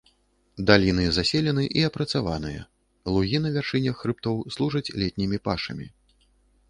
Даліны заселены і апрацаваныя, лугі на вяршынях хрыбтоў служаць летнімі пашамі.